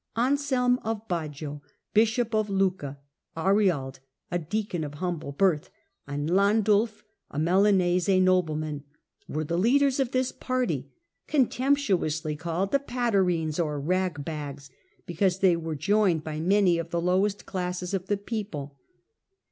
Anselm of Baggio, bishop of Lucca, Ariald, a deacon of humble birth, and Landulf, a Milan ese nobleman, were the leaders of this party, contemp tuously called the Patarines, or 'rag bags,'* because they were joined by many of the lowest classes of the people.